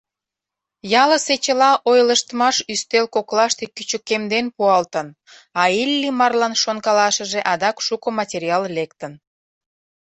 Ялысе чыла ойлыштмаш ӱстел коклаште кӱчыкемден пуалтын, а Иллимарлан шонкалашыже адак шуко материал лектын.